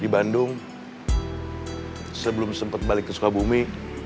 di bandung sebelum sempat balik ke sukabumi